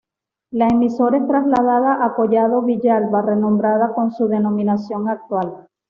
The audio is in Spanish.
La emisora es trasladada a Collado Villalba, renombrada con su denominación actual.